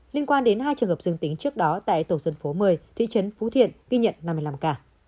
liên quan đến hai trường hợp dương tính trước đó tại tổ dân phố một mươi thị trấn phú thiện ghi nhận năm mươi năm ca